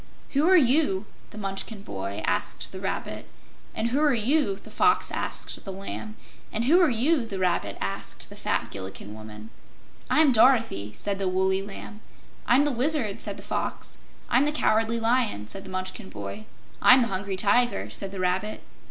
"Who are you?" the Munchkin boy asked the Rabbit; and "Who are you?" the Fox asked the Lamb; and "Who are you?" the Rabbit asked the fat Gillikin woman. "I'm Dorothy," said the woolly Lamb. "I'm the Wizard," said the Fox. "I'm the Cowardly Lion," said the Munchkin boy. "I'm the Hungry Tiger," said the Rabbit.